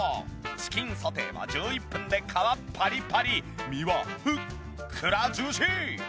チキンソテーは１１分で皮パリパリ身はふっくらジューシー！